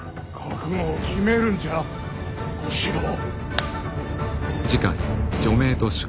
覚悟を決めるんじゃ小四郎。